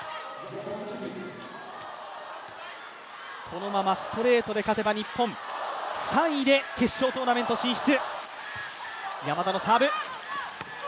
このままストレートで勝てば日本、３位で決勝トーナメント進出。